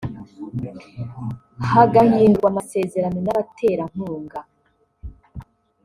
hagahindurwa amasezerano n’abaterankunga